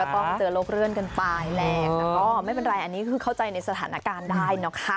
ต้องเจอลบเลื่อนกันไปแหละแต่ก็ไม่เป็นไรอันนี้คือเข้าใจในสถานการณ์ได้นะคะ